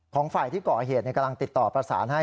ของฝ่ายที่ก่อเหตุกำลังติดต่อประสานให้